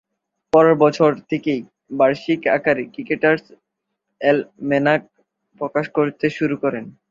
পরের বছর থেকেই বার্ষিক আকারে ক্রিকেটার্স অ্যালমেনাক প্রকাশ করতে শুরু করেন।